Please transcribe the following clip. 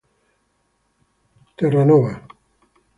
John's, Terranova.